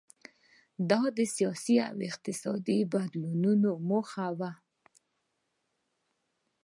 دا د سیاسي او اقتصادي بدلونونو په موخه و.